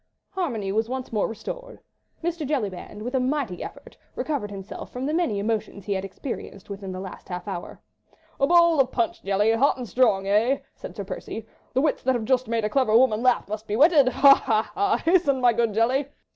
Harmony was once more restored. Mr. Jellyband, with a mighty effort, recovered himself from the many emotions he had experienced within the last half hour. "A bowl of punch, Jelly, hot and strong, eh?" said Sir Percy. "The wits that have just made a clever woman laugh must be whetted! Ha! ha! ha! Hasten, my good Jelly!"